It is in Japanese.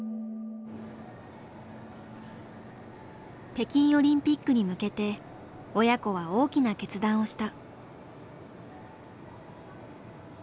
北京オリンピックに向けて親子は大きな決断をした。